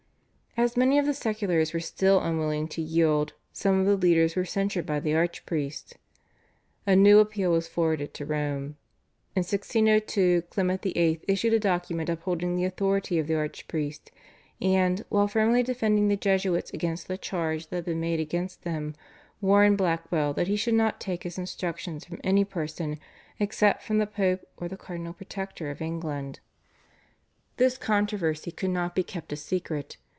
As many of the seculars were still unwilling to yield some of the leaders were censured by the archpriest. A new appeal was forwarded to Rome. In 1602 Clement VIII. issued a document upholding the authority of the archpriest, and, while firmly defending the Jesuits against the charges that had been made against them, warned Blackwell that he should not take his instructions from any person except from the Pope or the Cardinal Protector of England. This controversy could not be kept a secret.